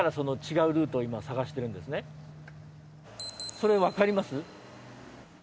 それわかります？